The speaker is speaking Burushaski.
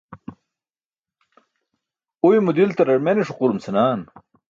Uymo diltarar mene ṣuqurum senan